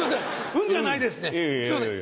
「うん」じゃないですねすいません。